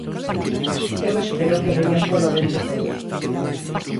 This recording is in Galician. Eu espero que veña polo ben de todos.